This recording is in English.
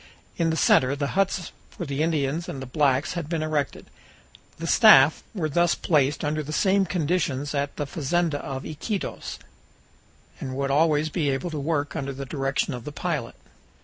In the center the huts for the Indians and the blacks had been erected. The staff were thus placed under the same conditions as at the fazenda of Iquitos, and would always be able to work under the direction of the pilot.